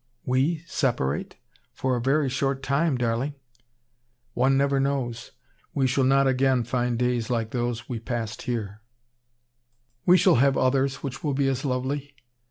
"We separate? For a very short time, darling." "One never knows. We shall not again find days like those that we passed here." "We shall have others which will be as lovely."